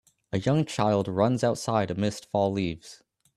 A young child runs outside amidst fall leaves